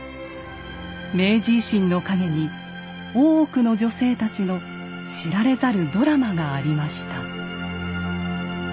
明治維新の陰に大奥の女性たちの知られざるドラマがありました。